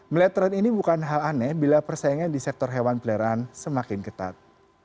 melihat tren ini bukan hal aneh bila persaingan di sektor hewan peliharaan semakin ketat